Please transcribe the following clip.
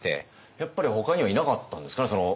やっぱりほかにはいなかったんですかね？